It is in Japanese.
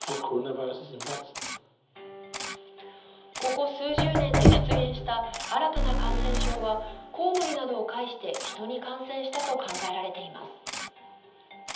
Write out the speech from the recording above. ここ数十年で出現した新たな感染症は、コウモリなどを介してヒトに感染したと考えられています。